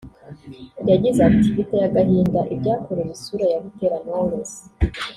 yagize ati “Biteye agahinda ibyakorewe isura ya Butera Knowless